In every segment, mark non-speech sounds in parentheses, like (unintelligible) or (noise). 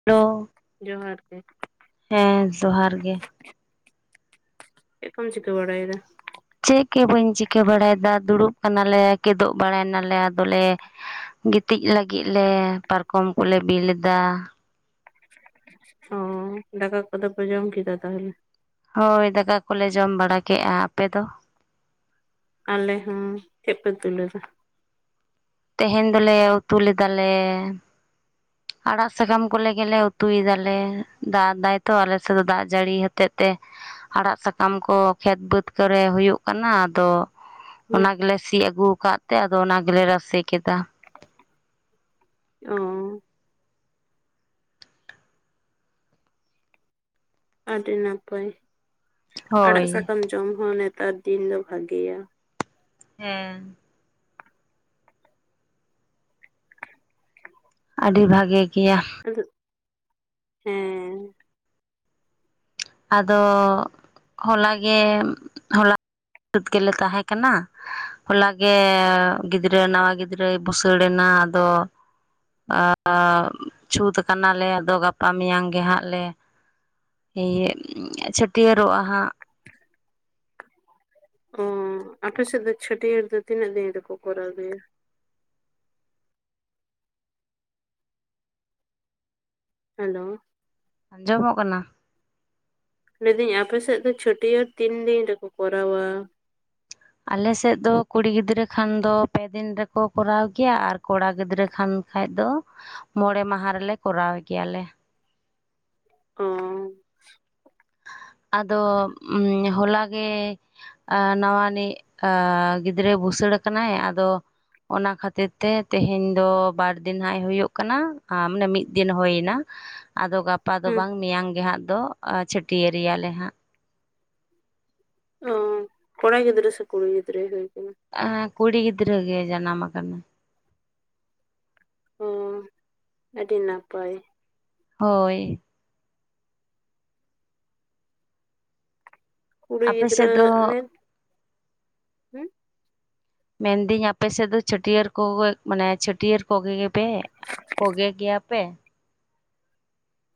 (unintelligible) ᱡᱚᱦᱟᱨ ᱜᱮ᱾ ᱦᱮᱸ ᱡᱚᱦᱟᱨ ᱜᱮ᱾ ᱪᱮᱫ ᱠᱚᱢ ᱪᱤᱠᱟᱹ ᱵᱟᱲᱟᱭᱫᱟ? ᱪᱮᱫ ᱜᱮ ᱵᱟᱹᱧ ᱪᱤᱠᱟᱹ ᱵᱟᱲᱟᱭᱫᱟ ᱫᱩᱲᱩᱵ ᱠᱟᱱᱟᱞᱮ ᱠᱮᱫᱚᱜ ᱵᱟᱲᱟᱭ ᱱᱟᱞᱮ, ᱟᱫᱚᱞᱮ ᱜᱤᱛᱤᱡ ᱞᱟᱹᱜᱤᱫ ᱞᱮ ᱯᱟᱨᱠᱚᱢ ᱠᱚᱞᱮ ᱵᱤᱞ ᱮᱫᱟ᱾ ᱚᱸ ᱫᱟᱠᱟ ᱠᱚᱫᱚ ᱯᱮ ᱡᱚᱢ ᱠᱮᱫᱟ ᱛᱟᱦᱚᱞᱮ? ᱦᱳᱭ ᱫᱟᱠᱟ ᱠᱚᱞᱮ ᱡᱚᱢ ᱵᱟᱲᱟ ᱠᱮᱫᱼᱟ ᱟᱯᱮ ᱫᱚ? ᱟᱞᱮ ᱦᱚᱸ, ᱪᱮᱫ ᱯᱮ ᱩᱛᱩ ᱞᱮᱫᱟ? ᱛᱮᱦᱮᱧ ᱫᱚᱞᱮ ᱩᱛᱩ ᱞᱮᱫᱟ ᱞᱮ ᱟᱲᱟᱜ ᱥᱟᱠᱟᱢ ᱠᱚᱞᱮ ᱜᱮᱞᱮ ᱩᱛᱩᱭ ᱮᱫᱟ ᱫᱟᱜ ᱮᱫᱟᱭ ᱛᱚ ᱟᱞᱮ ᱥᱮᱫ ᱫᱚ ᱫᱟᱜ ᱡᱟᱹᱲᱤ ᱦᱚᱛᱮᱫ ᱛᱮ᱾ ᱟᱲᱟᱜ ᱥᱟᱠᱟᱢ ᱠᱚ ᱠᱷᱮᱛ ᱵᱟᱹᱫᱽ ᱠᱚᱨᱮ ᱦᱩᱭᱩᱜ ᱠᱟᱱᱟ ᱟᱫᱚ ᱦᱮᱸ ᱚᱱᱟ ᱜᱮᱞᱮ ᱥᱤᱜ ᱟᱜᱩᱠᱟᱫ ᱛᱮ ᱟᱫᱚ ᱚᱱᱟ ᱜᱮᱞᱮ ᱨᱟᱥᱮ ᱠᱮᱫᱟ᱾ ᱚᱸ ᱟᱹᱰᱤ ᱱᱟᱯᱟᱭ, ᱟᱲᱟᱜ ᱦᱳᱭ ᱥᱟᱠᱟᱢ ᱡᱚᱢ ᱦᱚᱸ ᱱᱮᱛᱟᱨ ᱫᱤᱱ ᱫᱚ ᱵᱷᱟᱜᱤᱭᱟ᱾ ᱦᱮᱸ ᱟᱹᱰᱤ ᱵᱷᱟᱜᱤ ᱜᱮᱭᱟ᱾ ᱟᱫᱩᱜ ᱦᱮᱸ᱾ ᱟᱫᱚ ᱦᱚᱞᱟᱜᱮ ᱦᱚᱞᱟ ᱥᱟᱹᱫ ᱜᱮᱞᱮ ᱛᱟᱦᱮᱸ ᱠᱟᱱᱟ, ᱦᱚᱞᱟᱜᱮ ᱜᱤᱫᱽᱨᱟᱹ ᱱᱟᱣᱟ ᱜᱤᱫᱽᱨᱟᱹᱭ ᱵᱷᱩᱥᱟᱹᱲ ᱮᱱᱟ ᱟᱫᱚ, ᱟᱸᱻ ᱪᱷᱩᱸᱛ ᱠᱟᱱᱟᱞᱮ ᱟᱫᱚ ᱜᱟᱯᱟ ᱢᱮᱭᱟᱝ ᱜᱮ ᱦᱟᱸᱜ ᱞᱮ ᱤᱭᱟᱹᱜ ᱪᱷᱟᱹᱴᱭᱟᱹᱨᱚᱜᱼᱟ ᱦᱟᱸᱜ᱾ ᱚᱸ ᱟᱯᱮ ᱥᱮᱫ ᱫᱚ ᱪᱷᱟᱹᱴᱭᱟᱹᱨ ᱫᱚ ᱛᱤᱱᱟᱹᱜ ᱫᱤᱱ ᱨᱮᱠᱚ ᱠᱚᱨᱟᱣ ᱜᱮᱭᱟ ᱦᱮᱞᱳ ᱟᱸᱡᱚᱢᱚᱜ ᱠᱟᱱᱟ᱾ ᱞᱟᱹᱭᱫᱟᱹᱧ ᱟᱯᱮᱥᱮᱫ ᱫᱚ ᱪᱷᱟᱹᱴᱭᱟᱹᱨ ᱛᱤᱱ ᱫᱤᱱ ᱨᱮᱠᱚ ᱠᱚᱨᱟᱣᱟ? ᱟᱞᱮᱥᱮᱫ ᱫᱚ ᱠᱩᱲᱤ ᱜᱤᱫᱽᱨᱟᱹ ᱠᱷᱟᱱ ᱫᱚ ᱯᱮ ᱫᱤᱱ ᱨᱮᱠᱚ ᱠᱚᱨᱟᱣ ᱜᱮᱭᱟ ᱟᱨ ᱠᱚᱲᱟ ᱜᱤᱫᱽᱨᱟᱹ ᱠᱷᱟᱱ ᱠᱷᱟᱡ ᱫᱚ ᱢᱚᱬᱮ ᱢᱟᱦᱟ ᱨᱮᱞᱮ ᱠᱚᱨᱟᱣ ᱠᱮᱭᱟᱞᱮ᱾ ᱚᱸ ᱟᱫᱚ ᱦᱚᱞᱟᱜᱮ ᱱᱟᱣᱟᱱᱤᱡ ᱜᱤᱫᱽᱨᱟᱹᱭ ᱵᱷᱩᱥᱟᱹᱲ ᱟᱠᱟᱱᱟᱭ ᱟᱫᱚ ᱚᱱᱟ ᱠᱷᱟᱹᱛᱤᱨ ᱛᱮ ᱛᱮᱦᱮᱧ ᱫᱚ ᱵᱟᱨ ᱫᱤᱱ ᱱᱷᱟᱜ ᱮ ᱦᱩᱜᱳᱜ ᱠᱟᱱᱟ ᱟᱨ ᱢᱟᱱᱮ ᱢᱤᱫ ᱫᱤᱱ ᱦᱳᱭ ᱱᱟ᱾ ᱟᱫᱚ ᱜᱟᱯᱟ ᱫᱚ ᱦᱮᱸ ᱵᱟᱝ ᱢᱮᱭᱟᱝ ᱜᱮ ᱦᱟᱸᱜ ᱫᱚ ᱪᱷᱟᱹᱴᱭᱟᱹᱨ ᱨᱮᱭᱟᱞᱮ ᱦᱟᱸᱜ᱾ ᱚᱸ ᱠᱚᱲᱟ ᱜᱤᱫᱽᱨᱟᱹ ᱥᱮ ᱠᱩᱲᱤ ᱜᱤᱫᱽᱨᱟᱹ ᱦᱩᱭ ᱟᱠᱟᱱᱟ? ᱟ ᱠᱩᱲᱤ ᱜᱤᱫᱽᱨᱟᱹ ᱜᱮ ᱡᱟᱱᱟᱢ ᱟᱠᱟᱱᱟ᱾ ᱚ ᱟᱹᱰᱤ ᱱᱟᱯᱟᱭ᱾ ᱦᱳᱭ ᱠᱩᱲᱤ ᱟᱯᱮ ᱜᱤᱫᱽᱨᱟᱹ ᱥᱮᱫ ᱫᱚ ᱱᱮ ᱦᱩᱸ ᱢᱮᱱ ᱫᱟᱹᱧ ᱟᱯᱮ ᱥᱮᱫ ᱫᱚ ᱪᱷᱟᱹᱴᱭᱟᱹᱨ ᱠᱚᱜᱮ ᱢᱟᱱᱮ ᱪᱷᱟᱹᱴᱭᱟᱹᱨ ᱠᱚᱜᱮ ᱜᱮᱯᱮ ᱠᱷᱜᱮ ᱜᱮᱭᱟ ᱯᱮ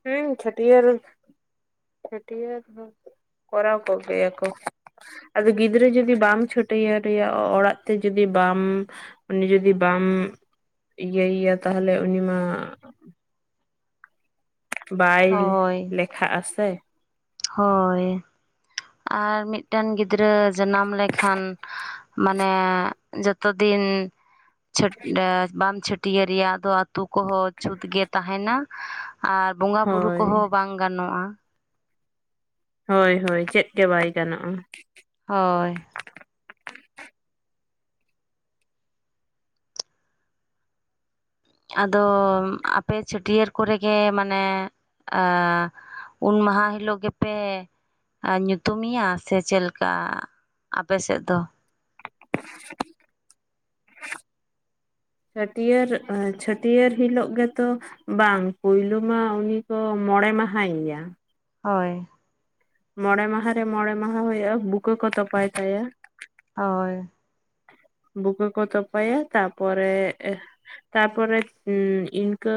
ᱦᱚᱸ ᱪᱷᱟᱹᱴᱭᱟᱹᱨ ᱪᱷᱟᱹᱴᱭᱟᱹᱨ ᱠᱚᱨᱟᱣ ᱠᱚ ᱜᱮᱭᱟ ᱠᱚ ᱟᱫᱚ ᱜᱤᱫᱽᱨᱟᱹ ᱡᱩᱫᱤ ᱵᱟᱢ ᱪᱷᱟᱹᱴᱭᱟᱹᱨ ᱮᱭᱟ ᱚᱲᱟᱜ ᱛᱮ ᱡᱩᱫᱤ ᱵᱟᱢ ᱩᱱᱤ ᱡᱩᱫᱤ ᱵᱟᱢ ᱤᱭᱟᱹᱭ-ᱭᱟ ᱛᱟᱦᱞᱮ ᱩᱱᱤ ᱢᱟ ᱵᱟᱭ ᱦᱳᱭ ᱞᱮᱠᱷᱟᱜ ᱟᱥᱮ ᱦᱳᱭ ᱟᱨ ᱢᱤᱫᱴᱟᱱ ᱜᱤᱫᱽᱨᱟᱹ ᱡᱟᱱᱟᱢ ᱞᱮᱠᱷᱟᱱ ᱢᱟᱱᱮ ᱡᱚᱛᱚ ᱫᱤᱱ ᱪᱷᱟᱹᱴ ᱵᱟᱢ ᱪᱷᱟᱹᱴᱭᱟᱹᱨ ᱨᱮᱭᱟᱜ ᱫᱚ ᱟᱛᱩ ᱠᱚᱦᱚᱸ ᱪᱷᱩᱸᱛ ᱜᱮ ᱛᱟᱦᱮᱸᱱᱟ ᱟᱨ ᱵᱚᱸᱜᱟ ᱵᱩᱨᱩ ᱦᱳᱭ ᱠᱚᱦᱚᱸ ᱵᱟᱝ ᱜᱟᱱᱚᱜᱼᱟ ᱦᱳᱭ ᱦᱳᱭ ᱪᱮᱫ ᱜᱮ ᱵᱟᱭ ᱜᱟᱱᱚᱜᱼᱟ ᱦᱳᱭ ᱟᱫᱚ ᱟᱯᱮ ᱪᱷᱟᱹᱴᱭᱟᱹᱨ ᱠᱚᱨᱮᱜᱮ ᱢᱟᱱᱮ ᱩᱱ ᱢᱟᱦᱟ ᱦᱤᱞᱳᱜ ᱜᱮᱯᱮ ᱧᱩᱛᱩᱢᱮᱭᱟ ᱥᱮ ᱪᱮᱫ ᱞᱮᱠᱟ ᱟᱯᱮᱥᱮᱫ ᱫᱚ (inaudible) ᱪᱷᱟᱹᱴᱭᱟᱹᱨ ᱪᱷᱟᱹᱴᱭᱟᱹᱨ ᱦᱤᱞᱳᱜ ᱜᱮᱛᱚ ᱵᱟᱝ ᱯᱳᱭᱞᱩ ᱢᱟ ᱩᱱᱤ ᱠᱚ ᱢᱚᱸᱬᱮ ᱢᱟᱦᱟᱭ ᱭᱟ ᱦᱳᱭ ᱢᱚᱸᱬᱮ ᱢᱟᱦᱟ ᱨᱮ ᱢᱚᱸᱬᱮ ᱢᱟᱦᱟ ᱦᱩᱭᱩᱜᱼᱟ ᱵᱩᱠᱟᱹ ᱠᱚ ᱛᱚᱯᱟᱭ ᱛᱟᱭᱟ ᱚᱭ᱾ ᱵᱩᱠᱟᱹ ᱠᱚ ᱛᱚᱯᱟᱭᱟ ᱛᱟᱯᱚᱨᱮ ᱮ ᱛᱟ ᱯᱚᱨᱮ ᱩᱸ ᱤᱱᱠᱟᱹ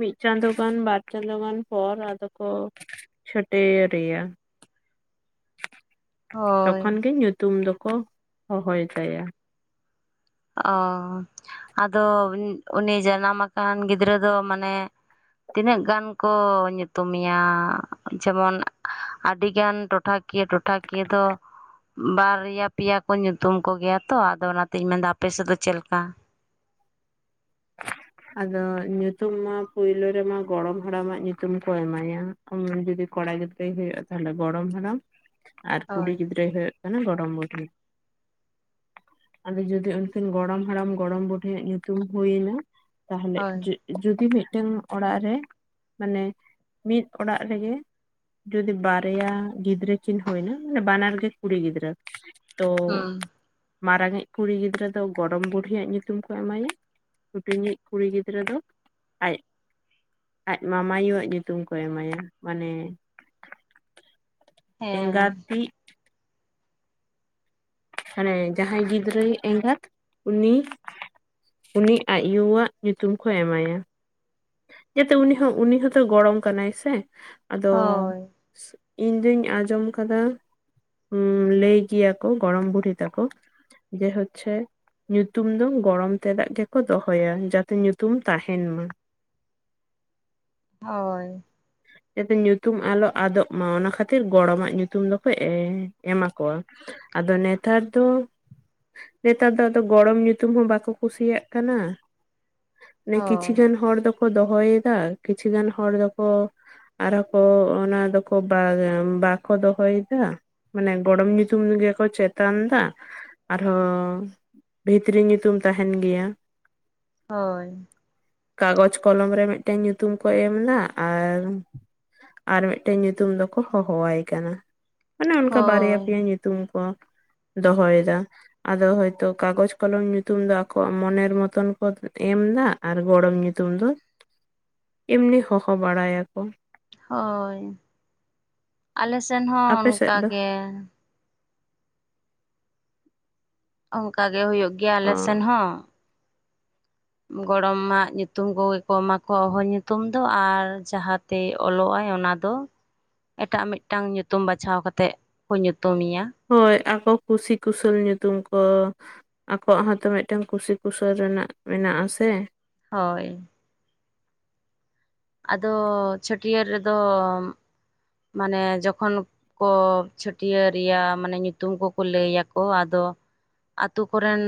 ᱢᱤᱫ ᱪᱟᱸᱫᱳ ᱜᱟᱱ ᱵᱟᱨ ᱪᱟᱸᱫᱳ ᱜᱟᱱ ᱯᱚᱨ ᱟᱫᱚ ᱠᱚ ᱴᱮᱼᱨᱮᱭᱟ ᱦᱳᱭ ᱛᱚᱠᱷᱚᱱ ᱜᱮ ᱧᱩ ᱛᱩᱢ ᱫᱚᱠᱚ ᱦᱚᱦᱚᱭ ᱛᱟᱭᱟ ᱚᱸ ᱟᱫᱚ ᱩᱱᱤ ᱡᱟᱱᱟᱢ ᱟᱠᱟᱱ ᱜᱤᱫᱽᱨᱟᱹ ᱫᱚ ᱢᱟᱱᱮ ᱛᱤᱱᱟᱹᱜ ᱜᱟᱱ ᱠᱚ ᱧᱩᱛᱩᱢᱮᱭᱟ ᱡᱮᱢᱚᱱ ᱟᱹᱰᱤᱜᱟᱱ ᱴᱚᱴᱷᱟᱠᱤᱭᱟᱹ ᱴᱚᱴᱷᱟᱠᱤᱭᱟᱹ ᱫᱚ ᱵᱟᱨᱭᱟ ᱯᱮᱭᱟ ᱠᱚ ᱧᱩᱛᱩᱢ ᱠᱚᱜᱮᱭᱟ ᱛᱚ ᱟᱫᱚ ᱚᱱᱟᱛᱤᱧ ᱢᱮᱱᱫᱟ ᱟᱯᱮᱥᱮᱫ ᱫᱚ ᱪᱮᱫ ᱞᱮᱠᱟ᱾ ᱟᱫᱚ ᱧᱩᱛᱩᱢ ᱢᱟ ᱯᱩᱭᱞᱩ ᱨᱮᱢᱟ ᱜᱚᱲᱚᱢ ᱦᱟᱲᱟᱢᱟᱜ ᱧᱩᱛᱩᱢ ᱠᱚ ᱮᱢᱟᱭᱟ᱾ (unintelligible) ᱡᱩᱫᱤ ᱠᱚᱲᱟ ᱜᱤᱫᱽᱨᱟᱹᱭ ᱦᱩᱭᱩᱜ‌ ᱛᱟᱦᱞᱮ ᱜᱚᱲᱚᱢ ᱦᱟᱲᱟᱢ ᱟᱨ ᱠᱩᱲᱤ ᱦᱳᱭ ᱜᱤᱫᱽᱨᱟᱹᱭ ᱦᱩᱭᱩᱜ ᱠᱟᱱᱟ ᱜᱚᱰᱚᱢ ᱵᱩᱰᱷᱤ᱾ ᱟᱫᱚ ᱡᱚᱫᱤ ᱩᱱᱠᱤᱱ ᱜᱚᱲᱚᱢ ᱦᱟᱲᱟᱢ ᱜᱚᱲᱚᱢ ᱵᱩᱰᱤ ᱧᱩᱛᱩᱢ ᱦᱩᱭᱱᱟ ᱛᱟᱦᱞᱮ ᱦᱳᱭ ᱡᱩ ᱡᱩᱫᱤ ᱢᱤᱫᱴᱟ. ᱝ ᱚᱲᱟᱜ ᱨᱮ ᱢᱟᱱᱮ ᱢᱤᱫ ᱚᱲᱟᱜ ᱨᱮᱜᱮ ᱡᱩᱫᱤ ᱵᱟᱨᱭᱟ ᱜᱤᱫᱽᱨᱟᱹ ᱠᱤᱱ ᱦᱩᱭᱱᱟ ᱢᱟᱱᱮ ᱵᱟᱱᱟᱨ ᱜᱮ ᱠᱩᱲᱤ ᱜᱤᱫᱽᱨᱟᱹ ᱛᱚ ᱦᱩᱸ ᱢᱟᱨᱟᱝ ᱤᱡ ᱠᱩᱲᱤ ᱜᱤᱫᱽᱨᱟᱹ ᱫᱚ ᱜᱚᱲᱚᱢ ᱵᱩᱰᱤᱭᱟᱜ ᱧᱩᱛᱩᱢ ᱠᱚ ᱮᱢᱟᱭᱟ ᱛᱤᱧᱤᱡᱽ ᱠᱩᱲᱤ ᱜᱤᱫᱽᱨᱟᱹ ᱫᱚ ᱟᱡ ᱟᱡ ᱢᱟᱢᱟᱭᱩᱣᱟᱜ ᱧᱩᱛᱩᱢ ᱠᱚ ᱮᱢᱟᱭᱟ ᱢᱟᱱᱮ᱾ (inaudible) ᱮᱸᱜᱟᱛᱤᱜᱽ ᱦᱟᱱᱮ ᱡᱟᱦᱟᱸᱭ ᱜᱤᱫᱽᱨᱟᱹᱭᱤᱜ ᱮᱸᱜᱟᱛ ᱩᱱᱤ᱾ ᱩᱱᱤ ᱟᱡ ᱭᱩᱣᱟᱜ ᱧᱩᱛᱩᱢ ᱠᱚ ᱮᱢᱟᱭᱟ ᱡᱟᱛᱮ ᱩᱱᱤ ᱦᱚᱸ ᱩᱱᱤ ᱦᱚᱸᱛᱚ ᱜᱚᱲᱚᱢ ᱠᱟᱱᱟᱭ ᱥᱮ ᱟᱫᱚ ᱦᱳᱭ ᱤᱧᱫᱩᱧ ᱟᱸᱡᱚᱢ ᱠᱟᱫᱟ ᱦᱩᱸ ᱞᱟᱹᱭ ᱜᱮᱭᱟ ᱠᱚ ᱜᱚᱲᱚᱢ ᱵᱩᱰᱦᱤ ᱛᱟᱠᱚ ᱡᱮ ᱦᱚᱪᱷᱮ ᱧᱩᱛᱩᱢ ᱫᱚ ᱜᱚᱲᱚᱢ ᱛᱮᱫᱟᱜ ᱜᱮᱠᱚ ᱫᱚᱦᱚᱭᱟ ᱡᱟᱛᱮ ᱧᱩᱛᱩᱢ ᱛᱟᱦᱮᱱᱢᱟ᱾ ᱦᱳᱭ ᱡᱟᱛᱮ ᱧᱩᱛᱩᱢ ᱟᱞᱚ ᱟᱫᱚᱜ ᱢᱟ ᱚᱱᱟ ᱠᱷᱟᱹᱛᱤᱨ ᱜᱚᱲᱚᱢᱟᱜ ᱧᱩᱛᱩᱢ ᱫᱚᱠᱚ ᱮᱸ ᱮᱢᱟ ᱠᱚᱣᱟ ᱟᱫᱚ ᱱᱮᱛᱟᱨ ᱫᱚ ᱱᱮᱛᱟᱨ ᱫᱚ ᱟᱫᱚ ᱜᱚᱲᱚᱢ ᱧᱩᱛᱩᱢ ᱦᱚᱸ ᱵᱟᱠᱚ ᱠᱩᱥᱤᱭᱟᱜ ᱠᱟᱱᱟ ᱱᱮ ᱠᱤᱪᱷᱤ ᱦᱳᱭ ᱜᱟᱱ ᱦᱚᱲ ᱫᱚᱠᱚ ᱫᱚᱦᱚᱭᱮᱫᱟ ᱠᱤᱪᱷᱤ ᱜᱟᱱ ᱦᱚᱲ ᱫᱚᱠᱚ ᱟᱨᱚᱸ ᱠᱚ ᱚᱱᱟ ᱫᱚᱠᱚ ᱵᱟᱨ ᱵᱟᱠᱚ ᱫᱚᱦᱚᱭᱮᱫᱟ ᱢᱟᱱᱮ ᱜᱚᱲᱚᱢ ᱧᱩᱛᱩᱢ ᱜᱮᱠᱚ ᱪᱮᱛᱟᱱ ᱫᱟ᱾ ᱟᱨᱦᱚᱸ ᱵᱷᱤᱛᱨᱤ ᱧᱩᱛᱩᱢ ᱛᱟᱦᱮᱱ ᱜᱮᱭᱟ ᱦᱳᱭ ᱠᱟᱜᱚᱡᱽ ᱠᱚᱞᱚᱢ ᱨᱮ ᱢᱤᱫᱴᱮᱱ ᱧᱩᱛᱩᱢ ᱠᱚ ᱮᱢ ᱫᱟ ᱟᱨ ᱟᱨ ᱢᱤᱫᱴᱟ. ᱝ ᱧᱩᱛᱩᱢ ᱫᱚᱠᱚ ᱦᱚᱦᱚᱣᱟᱭ ᱠᱟᱱᱟ, ᱟᱱᱮ ᱚᱱᱠᱟ ᱵᱟᱨᱭᱟ ᱦᱳᱭ ᱯᱮᱭᱟ ᱧᱩ ᱛᱩᱢ ᱠᱚ ᱫᱚᱦᱚᱭᱮᱫᱟ᱾ ᱟᱫᱚ ᱦᱚᱭᱛᱚ ᱠᱟᱜᱚᱡᱽ ᱠᱚᱞᱚᱢ ᱧᱩᱛᱩᱢ ᱫᱚ ᱟᱠᱚᱣᱟᱜ ᱢᱚᱱᱮᱨ ᱢᱚᱛᱚᱱ ᱠᱚ ᱮᱢ ᱫᱟ ᱟᱨ ᱜᱚᱲᱚᱢ ᱧᱩᱛᱩᱢ ᱫᱚ (inaudible) ᱮᱢᱱᱤ ᱦᱚᱦᱚ ᱵᱟᱲᱟᱭᱟᱠᱚ᱾ ᱦᱳᱭ ᱟᱞᱮ ᱥᱮᱱ ᱦᱚᱸ ᱟᱯᱮ ᱥᱮᱫ ᱚᱱᱠᱟ ᱫᱚ ᱜᱮ᱾ ᱚᱱᱠᱟ ᱜᱮ ᱦᱩᱭᱩᱜ ᱜᱮᱭᱟ ᱟᱞᱮᱥᱮᱱ ᱚ ᱦᱚᱸ ᱜᱚᱲᱚᱢᱟᱜ ᱧᱩᱛᱩᱢ ᱠᱚᱜᱮ ᱠᱚ ᱮᱢᱟ ᱠᱚᱣᱟ ᱦᱚᱦᱚ ᱧᱩᱛᱩᱢ ᱫᱚ ᱟᱨ ᱡᱟᱦᱟᱸ ᱛᱮ ᱚᱞᱚᱜ ᱟᱭ ᱚᱱᱟ ᱫᱚ ᱮᱴᱟᱜ ᱢᱤᱫᱴᱟᱝ ᱧᱩᱛᱩᱢ ᱵᱟᱪᱷᱟᱣ ᱠᱟᱛᱮᱫ ᱠᱚ ᱧᱩᱛᱩᱢᱮᱭᱟ ᱦᱳᱭ ᱟᱠᱚ ᱠᱩᱥᱤ ᱠᱩᱥᱟᱹᱞ ᱧᱩᱛᱩᱢ ᱠᱚ ᱟᱠᱚᱣᱟᱜ ᱦᱚᱸᱛᱚ ᱢᱤᱫᱴᱟᱝ ᱠᱩᱥᱤ ᱠᱩᱥᱟᱹᱞ ᱨᱮᱱᱟᱜ ᱢᱮᱱᱟᱜᱼᱟ ᱥᱮ ᱦᱳᱭ ᱟᱫᱚ ᱪᱷᱟᱹᱴᱭᱟᱹᱨ ᱨᱮᱫᱚ ᱢᱟᱱᱮ ᱡᱚᱠᱷᱚᱱ ᱠᱚ ᱪᱷᱟᱹᱴᱭᱟᱹᱨ ᱨᱮᱭᱟᱜ ᱢᱟᱱᱮ ᱧᱩᱛᱩᱢ ᱠᱚᱠᱚ ᱞᱟᱹᱭᱟᱠᱚ ᱟᱫᱚ ᱟᱛᱩ ᱠᱚᱨᱮᱱ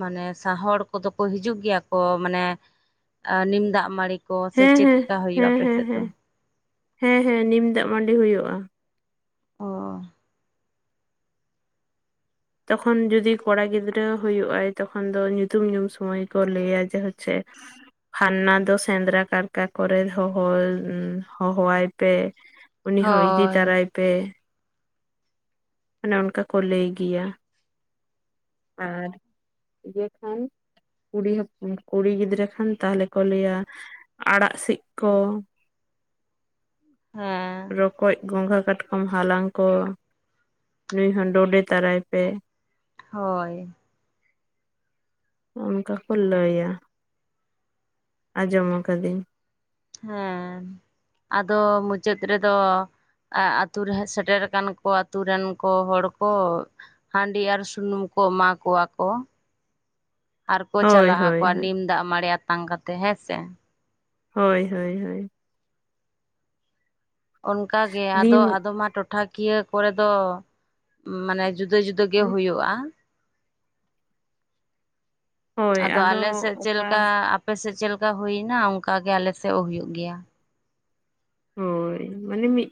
ᱢᱟᱱᱮ ᱥᱚᱦᱟ ᱦᱚᱲ ᱠᱚᱫᱚ ᱠᱚ ᱦᱤᱡᱩᱜ ᱜᱮᱭᱟ ᱠᱚ ᱢᱟᱱᱮ ᱱᱤᱢ ᱫᱟᱜ ᱢᱟᱹᱲᱤ ᱠᱚ ᱥᱮ ᱦᱮᱸ ᱪᱮᱫ ᱦᱮᱸ ᱞᱮᱠᱟ ᱦᱩᱭᱩᱜᱼᱟ ᱦᱮᱸ ᱦᱮᱸ ᱟᱯᱮᱥᱮᱫ ᱫᱚ ᱦᱮᱸ ᱦᱮᱸ ᱦᱮᱸ ᱱᱤᱢ ᱫᱟᱜ ᱢᱟᱹᱰᱤ ᱦᱩᱭᱩᱜᱼᱟ ᱚ ᱛᱚᱠᱷᱚᱱ ᱡᱚᱫᱤ ᱠᱚᱲᱟ ᱜᱤᱫᱽᱨᱟᱹ ᱦᱩᱭᱩᱜ-ᱟᱭ ᱛᱚᱠᱷᱚᱱ ᱫᱚ ᱧᱩᱛᱩᱢ ᱧᱩᱢ ᱥᱚᱢᱚᱭ ᱠᱚ ᱞᱟᱹᱭᱟ ᱡᱮ ᱦᱚᱪᱪᱷᱮ ᱯᱷᱟᱨᱱᱟ ᱫᱚ ᱥᱮᱸᱫᱽᱨᱟ ᱠᱟᱨᱠᱟ ᱠᱚᱨᱮ ᱦᱚᱦᱚ ᱦᱚᱦᱚᱣᱟᱭ ᱯᱮ, ᱩᱱᱤ ᱦᱚᱸ ᱤᱫᱤ ᱦᱳᱭ ᱛᱟᱨᱟᱭᱮ ᱯᱮ ᱚᱱᱮ ᱚᱱᱠᱟ ᱠᱚ ᱞᱟᱹᱭ ᱜᱮᱭᱟ ᱟᱨ ᱤᱭᱟᱹ ᱠᱩ ᱠᱩᱲᱤ ᱦᱚᱯᱚᱱ ᱠᱩᱲᱤ ᱜᱤᱫᱽᱨᱟᱹ ᱠᱷᱟᱱ ᱛᱟᱦᱚᱞᱮ ᱠᱚ ᱞᱟᱹᱭᱟ ᱟᱲᱟᱜ ᱥᱤᱫ ᱠᱚ ᱦᱮᱸ ᱨᱚᱠᱚᱡ ᱜᱚᱸᱜᱷᱟ ᱠᱟᱴᱠᱚᱢ ᱦᱟᱞᱟᱝ ᱠᱚ ᱱᱩᱭ ᱦᱚᱸ ᱰᱚᱰᱮ ᱛᱟᱨᱟᱭ ᱯᱮ ᱦᱳᱭ ᱚᱱᱠᱟ ᱠᱚ ᱞᱟᱹᱭᱟ ᱟᱸᱡᱚᱢ ᱟᱠᱟᱫᱟᱹᱧ ᱦᱮᱸ ᱟᱫᱚ ᱢᱩᱪᱟᱹᱫ ᱨᱮᱫᱚ ᱟᱛᱩ ᱨᱮ ᱦᱚᱸ ᱥᱮᱴᱮᱨ ᱨᱟᱠᱟᱱ ᱠᱚ ᱟᱛᱩ ᱨᱮᱱ ᱠᱚ ᱦᱚᱲ ᱠᱚ ᱦᱟᱸᱰᱤ ᱟᱨ ᱥᱩᱱᱩᱢ ᱠᱚ ᱮᱢᱟ ᱠᱚᱣᱟ ᱠᱚ ᱟᱨ ᱠᱚ ᱦᱳᱭ ᱪᱟᱞᱟᱜ ᱦᱳᱭ ᱟᱠᱚ ᱦᱳᱭ ᱱᱤᱢ ᱫᱟᱜ ᱢᱟᱲᱮ ᱟᱛᱟᱝ ᱠᱟᱛᱮᱜ ᱦᱮᱸᱥᱮ, ᱦᱳᱭ ᱦᱳᱭ ᱦᱳᱭ ᱚᱱᱠᱟᱜᱮ ᱟᱫᱚ ᱱᱤᱢ ᱟᱫᱚᱢ ᱢᱟ ᱴᱚᱴᱷᱟᱠᱤᱭᱟᱹ ᱠᱚᱨᱮ ᱫᱚ ᱢᱟᱱᱮ ᱡᱩᱫᱟᱹ ᱡᱩᱫᱟᱹ ᱜᱮ ᱦᱩᱭᱩᱜᱼᱟ᱾ ᱦᱳᱭ ᱟᱫᱚ ᱟᱞᱮ ᱥᱮᱫ ᱪᱮᱫ ᱚᱠᱟ ᱞᱮᱠᱟ ᱟᱯᱮᱥᱮᱫ ᱪᱮᱫ ᱞᱮᱠᱟ ᱦᱩᱭᱱᱟ ᱚᱱᱠᱟ ᱜᱮ ᱟᱞᱮᱥᱮᱫ ᱦᱩᱭᱩᱜ ᱜᱮᱭᱟ ᱦᱳᱭ ᱢᱟᱱᱮ ᱢᱤᱫ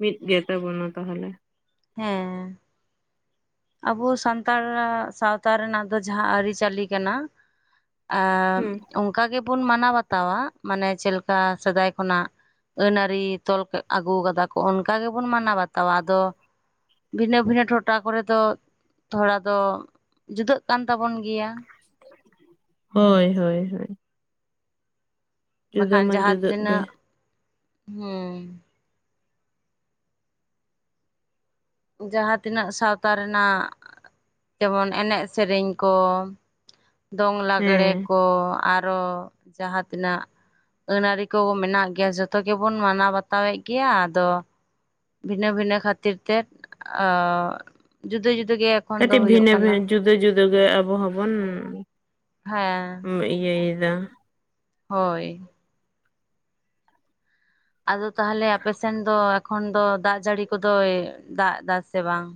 ᱢᱤᱫ ᱜᱮ ᱛᱟᱵᱚᱱᱟ ᱛᱟᱦᱚᱞᱮ ᱦᱮᱸ ᱟᱵᱚ ᱥᱟᱱᱛᱟᱲ ᱨᱟᱜ ᱥᱟᱶᱛᱟ ᱨᱮᱱᱟᱜ ᱫᱚ ᱡᱟᱦᱟᱸ ᱟᱹᱨᱤᱪᱟᱹᱞᱤ ᱠᱟᱱᱟ ᱟᱻ ᱦᱩᱸ ᱚᱱᱠᱟ ᱜᱮᱵᱚᱱ ᱢᱟᱱᱟᱣ ᱵᱟᱛᱟᱣᱟ ᱢᱟᱱᱮ ᱪᱮᱫ ᱞᱮᱠᱟ ᱥᱮᱫᱟᱭ ᱠᱷᱚᱱᱟᱜ ᱟᱹᱱ ᱟᱹᱨᱤ ᱛᱚᱞ ᱟᱹᱜᱩ ᱠᱟᱫᱟ ᱠᱚ ᱚᱱᱠᱟ ᱜᱮᱵᱚᱱ ᱢᱟᱱᱟᱣ ᱵᱟᱛᱟᱣᱟ ᱟᱫᱚ ᱵᱷᱤᱱᱟᱹ ᱵᱷᱤᱱᱟᱹ ᱴᱚᱴᱷᱟ ᱠᱚᱨᱮ ᱫᱚ ᱛᱷᱚᱲᱟ ᱫᱚ ᱡᱩᱫᱟᱹᱜ ᱠᱟᱱ ᱛᱟᱵᱚᱱ ᱜᱮᱭᱟ ᱦᱳᱭ ᱦᱳᱭ ᱦᱳᱭ ᱡᱩᱫᱟᱹ ᱵᱟᱠᱷᱟᱱ ᱢᱟ ᱡᱟᱦᱟᱸ ᱡᱩᱫᱟᱹᱜ ᱜᱮ ᱛᱤᱱᱟᱹᱜ ᱦᱩᱸ ᱡᱟᱦᱟᱸ ᱛᱤᱱᱟᱹᱜ ᱥᱟᱶᱛᱟ ᱨᱮᱱᱟᱜ ᱡᱮᱢᱚᱱ ᱮᱱᱮᱡ ᱥᱮᱨᱮᱧ ᱠᱚ ᱫᱚᱝ ᱞᱟᱜᱽᱬᱮ ᱦᱮᱸ ᱠᱚ ᱟᱨᱚ ᱡᱟᱦᱟᱸ ᱛᱤᱱᱟᱹᱜ ᱟᱹᱱ ᱟᱹᱨᱤ ᱠᱚ ᱢᱮᱱᱟᱜ ᱜᱮᱭᱟ ᱡᱚᱛᱚ ᱜᱮᱵᱚᱱ ᱢᱟᱱᱟᱣ ᱵᱟᱛᱟᱣᱮᱫ ᱜᱮᱭᱟ ᱟᱫᱚ ᱵᱷᱤᱱᱟᱹ ᱵᱷᱤᱱᱟᱹ ᱠᱷᱟᱹᱛᱤᱨ ᱛᱮ ᱚ ᱡᱩᱫᱟᱹ ᱡᱩᱫᱟᱹ ᱜᱮᱭᱟ ᱠᱟᱹᱴᱤᱡ ᱵᱷᱤᱱᱟᱹ ᱵᱷᱤᱱᱟᱹ ᱡᱩᱫᱟᱹ ᱡᱩᱫ ᱫᱩᱜᱮ ᱟᱵᱚ ᱦᱚᱸᱵᱚᱱ ᱦᱮᱸ ᱤᱭᱟᱹᱭᱮᱫᱟ, ᱦᱳᱭ ᱟᱫᱚ ᱛᱟᱦᱚᱞᱮ ᱟᱯᱮᱥᱮᱱ ᱫᱚ ᱮᱠᱷᱚᱱ ᱫᱚ ᱫᱟᱜ ᱡᱟᱹᱲᱤ ᱠᱚᱫᱚᱭ ᱫᱟᱜ ᱮᱫᱟ ᱥᱮ ᱵᱟᱝ?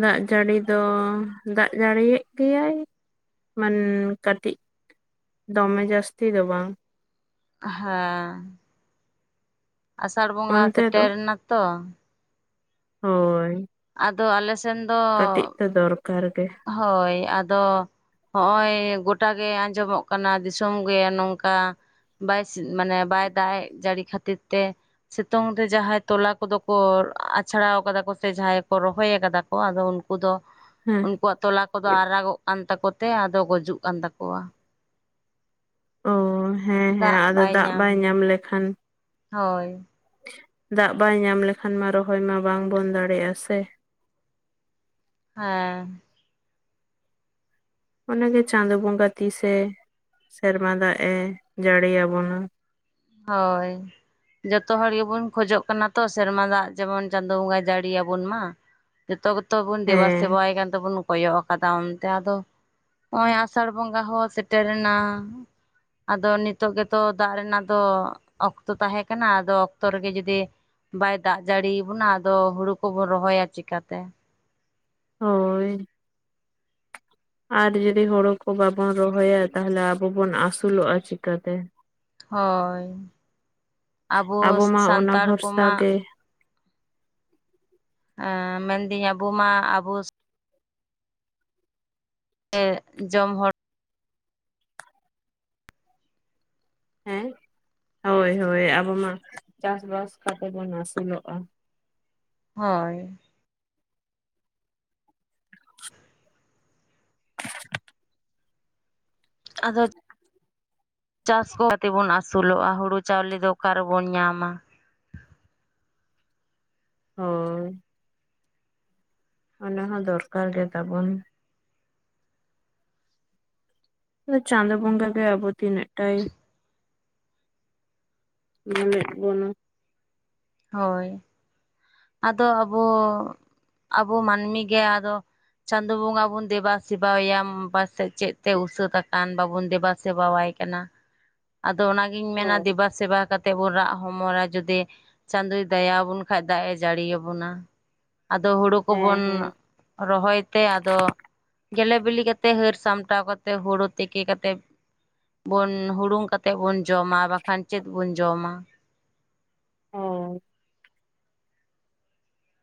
ᱫᱟᱜ ᱡᱟᱹᱲᱤ ᱫᱚ ᱫᱟᱜ ᱡᱟᱹᱲᱤᱭᱮᱫ ᱜᱮᱭᱟᱭ ᱢᱟᱱ ᱠᱟᱹᱴᱤᱡ ᱫᱚᱢᱮ ᱡᱟᱹᱥᱛᱤ ᱫᱚ ᱵᱟᱝ ᱦᱮᱸ ᱟᱥᱟᱲ ᱵᱚᱸᱜᱟ ᱚᱱᱛᱮ ᱫᱚ ᱥᱮᱴᱮᱨ ᱮᱱᱟ ᱛᱚ ᱦᱳᱭ ᱟᱫᱚ ᱟᱞᱮ ᱥᱮᱱ ᱫᱚ ᱠᱟᱹᱴᱤᱡ ᱫᱚ ᱫᱚᱨᱠᱟᱨ ᱜᱮ ᱦᱳᱭ ᱟᱫᱚ ᱦᱚᱜ-ᱚᱭ ᱜᱚᱴᱟ ᱜᱮ ᱟᱸᱡᱚᱢᱚᱜ ᱠᱟᱱᱟ, ᱫᱤᱥᱚᱢ ᱜᱮ ᱱᱚᱝᱠᱟ ᱾ ᱵᱟᱭ ᱢᱟᱱᱮ ᱵᱟᱭ ᱫᱟᱜ ᱡᱟᱹᱲᱤ ᱠᱷᱟᱹᱛᱤᱨ ᱛᱮ, ᱥᱤᱛᱩᱝ ᱨᱮ ᱡᱟᱦᱟᱸᱭ ᱛᱚᱞᱟ ᱠᱚᱫᱚ ᱠᱚ ᱟᱪᱷᱲᱟᱣ ᱠᱟᱫᱟ ᱠᱚ ᱥᱮ ᱡᱟᱦᱟᱸᱭ ᱨᱚᱦᱚᱭ ᱟᱠᱟᱫᱟ ᱠᱚ, ᱟᱫᱚ ᱩᱱᱠᱩ ᱫᱚ ᱦᱮᱸ ᱩᱱᱠᱩ ᱛᱚᱞᱟ ᱟᱠᱚ ᱫᱚ ᱟᱨᱟᱜᱚᱜ ᱠᱟᱱ ᱛᱟᱠᱚ ᱛᱮ ᱟᱫᱚ ᱜᱩᱡᱩᱜ ᱠᱟᱱ ᱛᱟᱠᱚᱣᱟ ᱾ ᱚ ᱦᱮᱸ ᱦᱮᱸ ᱟᱫᱚ ᱫᱟᱜ ᱵᱟᱭ ᱧᱟᱢ ᱞᱮᱠᱷᱟᱱ ᱦᱳᱭ ᱾ ᱫᱟᱜ ᱵᱟᱭ ᱧᱟᱢ ᱞᱮᱠᱷᱟᱱ ᱢᱟ ᱨᱚᱦᱚᱭ ᱢᱟ ᱵᱟᱝᱵᱚᱱ ᱫᱟᱲᱮᱭᱟᱜ-ᱟ ᱥᱮ ᱦᱮᱸ᱾ ᱚᱱᱟ ᱜᱮ ᱪᱟᱸᱫᱳ ᱵᱚᱸᱜᱟ ᱛᱤᱥᱮ ᱥᱮᱨᱢᱟ ᱫᱟᱜ ᱮ ᱡᱟᱹᱲ ᱟᱵᱚᱱᱟ ᱾ ᱦᱳᱭ ᱾ ᱡᱚᱛᱚ ᱦᱚᱲ ᱜᱮᱵᱚᱱ ᱠᱷᱚᱡᱚᱜ ᱠᱟᱱᱟ ᱛᱚ ᱥᱮᱨᱢᱟ ᱫᱟᱜ ᱡᱮᱢᱚᱱ ᱪᱟᱸᱫᱚ ᱵᱚᱸᱜᱟᱭ ᱡᱟᱹᱲᱤᱭᱟᱵᱚᱱ ᱢᱟ ᱾ ᱡᱚᱛᱚ ᱠᱚᱛᱚ ᱵᱚᱱ ᱫᱮᱵᱟ ᱦᱮᱸ ᱥᱮᱵᱟᱭ ᱠᱟᱱ ᱛᱟᱵᱚᱱ ᱠᱚᱭᱚᱜ ᱟᱠᱟᱫᱟ ᱚᱱᱛᱮ ᱟᱫᱚ ᱱᱚᱜ-ᱚᱭ ᱟᱥᱟᱲ ᱵᱚᱸᱜᱟ ᱦᱚᱸ ᱥᱮᱴᱮᱨᱮᱱᱟ ᱾ ᱟᱫᱚ ᱱᱤᱛᱚᱜ ᱜᱮᱛᱚ ᱫᱟᱜ ᱨᱮᱱᱟᱜ ᱫᱚ ᱚᱠᱛᱚ ᱛᱟᱦᱮᱸ ᱠᱟᱱᱟ, ᱟᱫᱚ ᱚᱠᱛᱚ ᱨᱮᱜᱮ ᱡᱩᱫᱤ ᱵᱟᱭ ᱫᱟᱜ ᱡᱟᱹᱲᱤᱭᱟᱵᱚᱱᱟ ᱟᱫᱚ ᱦᱩᱲᱩ ᱠᱚᱵᱚᱱ ᱨᱚᱦᱚᱭᱟ ᱪᱮᱠᱟᱛᱮ? ᱦᱳᱭ ᱾ ᱟᱨ ᱡᱩᱫᱤ ᱦᱳᱲᱳ ᱠᱚ ᱵᱟᱵᱚᱱ ᱨᱚᱦᱚᱭᱟ, ᱛᱟᱦᱚᱞᱮ ᱟᱵᱚ ᱵᱚᱱ ᱟᱹᱥᱩᱞᱚᱜ-ᱟ ᱪᱤᱠᱟᱹᱛᱮ? ᱦᱳᱭ ᱟᱵᱚ ᱢᱟ ᱚᱱᱟ ᱥᱟᱱᱛᱟᱲ ᱵᱷᱚᱨᱥᱟ ᱠᱚᱢᱟ ᱜᱮ ᱾ ᱮ ᱢᱮᱱᱫᱟᱹᱧ ᱟᱵᱚ ᱢᱟ ᱟᱵᱚ ᱡᱚᱢ ᱦᱚᱲ ᱦᱮᱸ, ᱦᱳᱭ ᱦᱳᱭ ᱾ ᱟᱵᱚ ᱢᱟ ᱪᱟᱥ ᱵᱟᱥ ᱠᱟᱛᱮ ᱵᱚᱱ ᱟᱹᱥᱩᱞᱚᱜᱼᱟ ᱾ ᱦᱳᱭ ᱾ ᱟᱫᱚ ᱪᱟᱥ ᱠᱚ ᱠᱟᱛᱮ ᱵᱚᱱ ᱟᱹᱥᱩᱞᱚᱜ-ᱟ, ᱦᱩᱲᱩ ᱪᱟᱣᱞᱮ ᱫᱚ ᱚᱠᱟ ᱨᱮᱵᱚᱱ ᱧᱟᱢᱟ? ᱦᱳᱭ ᱾ ᱚᱱᱟ ᱦᱚᱸ ᱫᱚᱨᱠᱟᱨ ᱜᱮ ᱛᱟᱵᱚᱱ ᱾ ᱪᱟᱸᱫᱚ ᱵᱚᱸᱜᱟ ᱜᱮ ᱟᱵᱚ ᱛᱤᱱᱟᱹᱜ ᱴᱟᱭ ᱧᱮᱞᱮᱫ ᱵᱚᱱᱟ ᱾ ᱦᱳᱭ ᱾ ᱟᱫᱚ ᱟᱵᱚ ᱟᱵᱚ ᱢᱟᱹᱱᱢᱤ ᱜᱮ ᱟᱫᱚ ᱪᱟᱸᱫᱚ ᱵᱚᱸᱜᱟ ᱵᱚᱱ ᱫᱮᱵᱟᱥᱮᱵᱟᱭᱟ, ᱯᱟᱥᱮᱫ ᱪᱮᱫ ᱛᱮ ᱩᱥᱟᱹᱛ ᱟᱠᱟᱱ? ᱵᱟᱵᱚᱱ ᱫᱮᱵᱟ ᱥᱮᱵᱟ ᱥᱮᱵᱟᱣᱟᱭ ᱠᱟᱱᱟ ᱾ ᱟᱫᱚ ᱚᱱᱟᱜᱤᱧ ᱢᱮᱱᱟ ᱦᱳᱭ ᱫᱮᱵᱟ ᱥᱮᱵᱟ ᱠᱟᱛᱮ ᱵᱚᱱ ᱨᱟᱜ ᱦᱚᱢᱚᱨᱟ ᱡᱩᱫᱤ ᱪᱟᱸᱫᱚᱭ ᱫᱟᱭᱟᱵᱚᱱ ᱠᱷᱟᱡ ᱾ ᱫᱟᱜ ᱮ ᱡᱟᱹᱲᱤᱭᱟᱵᱚᱱᱟ, ᱟᱫᱚ ᱦᱩᱲᱩ ᱠᱚᱵᱚᱱ ᱦᱮᱸ ᱦᱮᱸ ᱨᱚᱦᱚᱭ ᱛᱮ, ᱟᱫᱚ ᱜᱮᱞᱮ ᱵᱤᱞᱤ ᱠᱟᱛᱮ, ᱦᱟᱹᱨ ᱥᱟᱢᱴᱟᱣ ᱠᱟᱛᱮ, ᱦᱩᱲᱩ ᱛᱤᱠᱤ ᱠᱟᱛᱮ, ᱵᱚᱱ ᱦᱩᱲᱩᱝ ᱠᱟᱛᱮ ᱵᱚᱱ ᱡᱚᱢᱟ, ᱵᱟᱠᱷᱟᱱ ᱪᱮᱫ ᱵᱚᱱ ᱡᱚᱢᱟ? ᱦᱚᱭ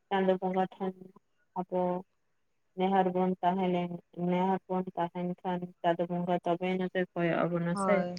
ᱪᱟᱸᱫᱚ ᱵᱚᱸᱜᱟ ᱴᱷᱮᱱ ᱟᱵᱚ ᱱᱮᱦᱟᱨ ᱵᱚᱱ ᱛᱟᱦᱮᱸ ᱞᱮᱱ ᱱᱮᱦᱟᱨ ᱵᱚᱱ ᱛᱟᱦᱮᱱ ᱠᱷᱟᱱ, ᱪᱟᱸᱫᱚ ᱵᱚᱸᱜᱟ ᱛᱚᱵᱮᱭ ᱱᱚᱛᱮ ᱠᱚᱭᱚᱜ ᱾ ᱵᱚᱱᱟ ᱥᱮ ᱦᱳᱭ